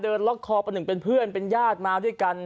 เดินล็อกคอคนเป็นเพื่อนเป็นญาติมาด้วยกัน